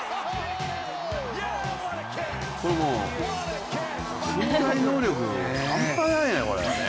これもう、身体能力半端ないね、これね。